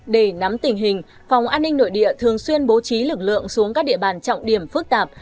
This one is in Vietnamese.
để nắm tình hình phòng an ninh nội địa thường xuyên bố trí lực lượng xuống các địa bàn trọng điểm phức tạp